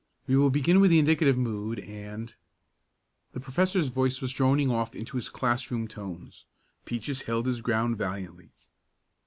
We will begin with the indicative mood and " The professor's voice was droning off into his classroom tones. Peaches held his ground valiantly.